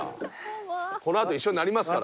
この後一緒になりますから。